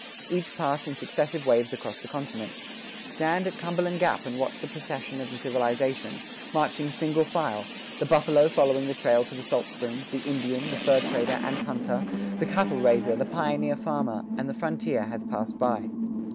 Each passed in successive waves across the continent. Stand at Cumberland Gap and watch the procession of civilization, marching single file the buffalo following the trail to the salt springs, the Indian, the fur trader and hunter, the cattle raiser, the pioneer farmer and the frontier has passed by.